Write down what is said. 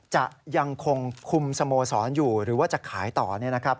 จะยังคงคุมสโมสรอยู่หรือว่าจะขายต่อเนี่ยนะครับ